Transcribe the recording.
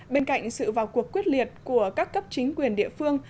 bên cạnh sự vào cuộc quyết liệt của các cấp chính quyền địa phương